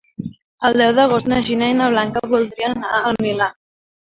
El deu d'agost na Gina i na Blanca voldrien anar al Milà.